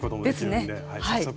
早速。